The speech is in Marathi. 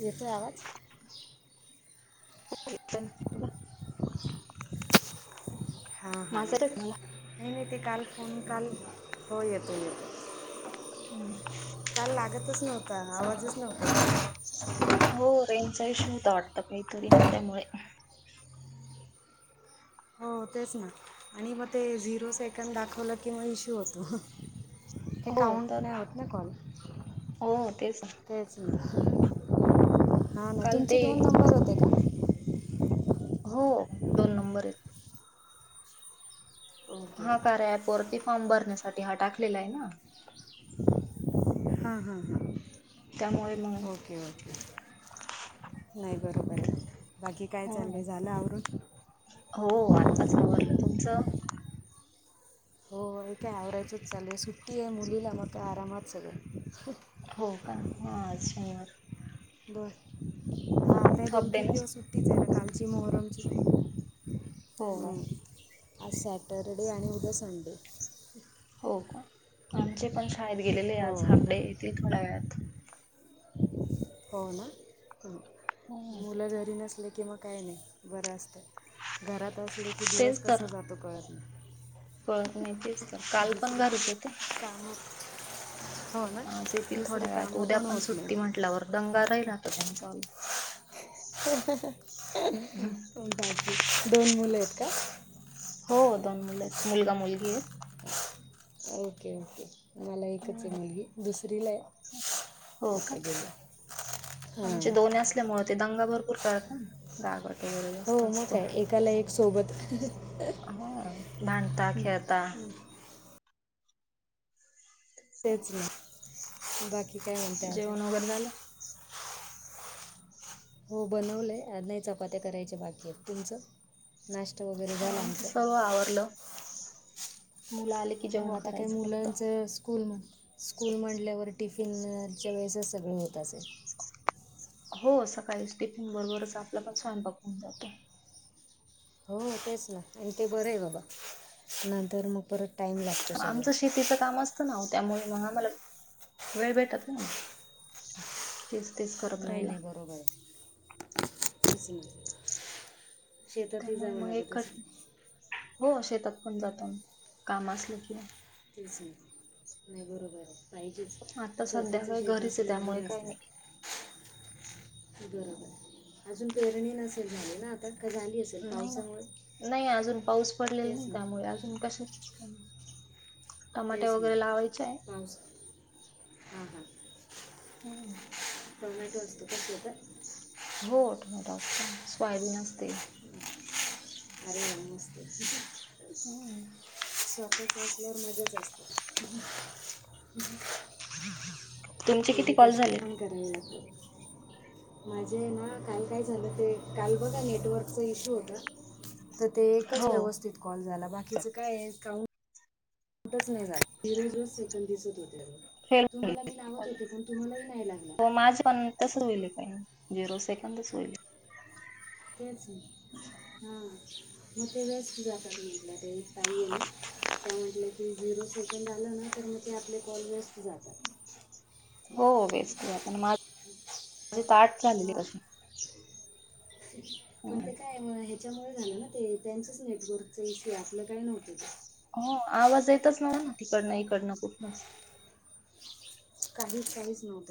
येत आवाज? [unintelligible] हां हां माझा येतो मला नाही नाही ते काल फोन काल हो येतो येत काल लागतच नव्हत. आता आवाजच नाही उठ. हो रेंजचा इश्य होता वाटत काहीतरी ना त्यामुळे. हो तेच ना आणि मग ते झिरो सेकंड दाखवलं की मग इश्यू होतो. हे हो काउंट तर नाही होत ना कॉल. हो तेच तेच न. हा ना काल तुमचे ते दोन नंबर होते का? हो दोन नंबर आहेत. ओके हा कार्या अँप वरती फॉर्म भरण्यासाठी हा टाकलेला आहे ना. ! हां हां हां त्यामुळे मग ओके ओके. नाही बरोबर आहे बाकी काय हो चाललंय झालं आवरुन? - हो आत्ताच आवरलं तुमचं. हो एक का व्हरायजच चालू आहे सुट्टी आहे मुलीला मग आरामात सगळ. हो का होजर [unintelligible] बर हा नाही दोन, डे तीन ना दिवस सुटीच आहे ना खलची मोहरमची. हो हो. हं. आज सॅटरडे आणि उद्या संडे. हो का आमचे पण शाळेत गेलेले हो आज हाफडे येथील थोड्या वेळात. हो ना हं हम्म. मुलं जरी नसले किंवा काय नाही बरं असतं घरात असले की दिवस तेच तर कसं जातो कळत नाही कळत नाहीतीच तर काल पण दुसरी घरत येत. कामं हो ना आज येतील दुसरी थोड्या वेळात कामं उद्या पण होत नाही सुट्टी म्हटल्यावर. दंगा राही राहतो त्यांचा. हं हं हं अ बाकी दोन मुलं आहेत का. हो दोन मुले आहेत मुलगा मुलगी आहेत. Okay okay. मला एकच आहे, आहेत मुलगी दुसरीला आहे, हो का आता गेली. आमचे हां दोन् असल्यामुळे ते दंगा भरपूर करत ना [unintelligible] गागड हो मग काय एकाला एक सोबत. हो भांडता खेळता. तेच नाही बाकी काय म्हणते आजन. जेवण वगैरे झालं हो बनवलंय नाही चपात्या करायच्या बाकी आहेत, तुमचं नाश् ते वगैरे हो आमचं घलांचं. सर्व आवरलं मुलं आले की हो जेवण आता काय करायचं फक्त मुलांच सू स्कूल म स्कूल मांडल्यावर टिफिनच्या वेळेसच सगळे होत असेल. हो सकाळीच टिफिन बरोबरच आपल्या पण स्वयंपाक होऊन जातो. हो तेच ना आणि ते बरं आहे बाबा नंतर मग परत. टाईम लागतो सगळं आमचं शेतीचं काम असतं. ना त्यामुळे मग आम्हाला वेळ भेटत नाही. तेच तेच करत नाही राहिला नाही बरोबर [unintelligible] नाही त्यामुळे मग एक हो शेतात पण जातो काम असलं की. [unintelligible] ठीच नाही बरोबर पाहिजेच आता सध्या स्वतःचं काही शेत घरीच आहे असलेला त्यामुळे बरं काही असतं. नाही बरोबर अजून पेरणी नसेल झाली ना आता. का झाली असेल नाही ना पावसामुळे नाही अजून पाऊस पडलेला तेच नाही ना त्यामुळे अजून कस [inaudible] तेच ना पाऊस हां हां. हम्म टोमॅटो असतो का शेतात. हो टोमॅटो असत स्वायबी न असते. अरे वा मस्त. हम्म. स्वतःच असल्यावर मजाच असते. तुमचे किती तेवढे कॉल कष्ट झालेत. पण करावे लागतात माझे ना काल काय झालं ते काल बघा नेटवर्कचा इश्यू होता. तर ते एकच हो व्यवस्थित कॉल झाला बाकीच काय आहे काउंट नाही रज रज सेकड दिसत होते फेल होईल. तुम्हाला मी लावत होते पण तुम्हाला [unintelligible] हो माझ्या पण तच होईल काही झिरो सेकंदच होईल. तेच हां मग ते [unintelligible] वेज क जात म्हटलं ते [unintelligible] ते झिरो सेकंड आलं ना तर मग ते आपले कॉल वेस्ट जातात. हो वेस्ट जात आपण माझ ताट झालेली हां कशी ह त्यामुळ झालं ना ते त्यांचच नेटवर्क इश्यूए आपलं काय नव्हत. हो आवाज येतच नव्हत ना तिकडनं इकडनं कुटनच काहीच काहीच नव्हतं.